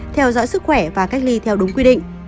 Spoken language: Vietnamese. theo dõi sức khỏe và cách ly theo đúng quy định